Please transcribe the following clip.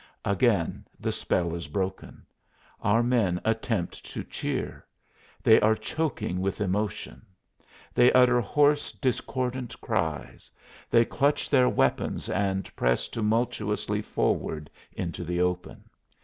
Again the spell is broken; our men attempt to cheer; they are choking with emotion; they utter hoarse, discordant cries; they clutch their weapons and press tumultuously forward into the open.